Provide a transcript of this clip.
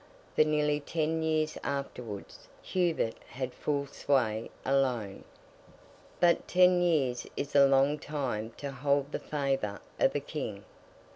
For nearly ten years afterwards Hubert had full sway alone. But ten years is a long time to hold the favour of a King.